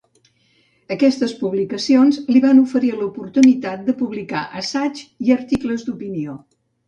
Aquestes publicacions li van oferir l'oportunitat de publicar assaigs i articles d'opinió.